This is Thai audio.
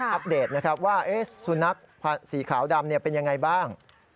อปเดตนะครับว่าสุนัขสีขาวดำเป็นยังไงบ้าง